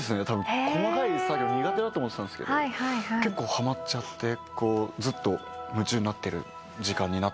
細かい作業苦手だと思ってたんですけど結構ハマっちゃってずっと夢中になってる時間になってますね。